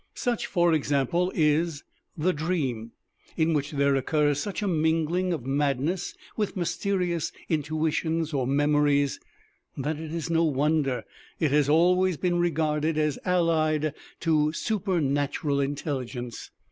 Such for example is the Dream, in which there occurs such a mingling of madness with mysterious intuitions or memories that it is no wonder it has always been regarded as allied to supernatural intelligence.